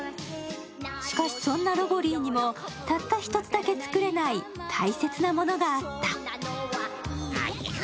しかし、そんなロボリィにもたった１つだけ作れない大切なものがあった。